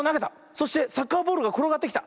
そしてサッカーボールがころがってきた。